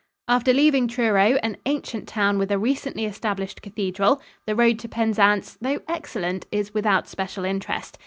After leaving Truro, an ancient town with a recently established cathedral, the road to Penzance, though excellent, is without special interest.